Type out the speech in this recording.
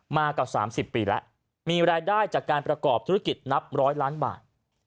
มากับ๓๐ปีแล้วมีรายได้จากการประกอบธุรกิจนับร้อยล้านบาท